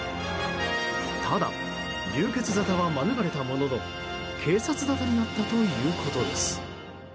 ただ、流血沙汰は免れたものの警察沙汰になったということです。